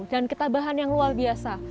dan ketabahan yang luar biasa